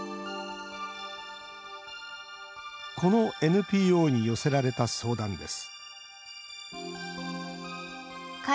このＮＰＯに寄せられた相談です